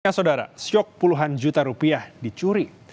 tiga saudara syok puluhan juta rupiah dicuri